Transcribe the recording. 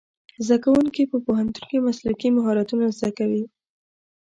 زدهکوونکي په پوهنتون کې مسلکي مهارتونه زده کوي.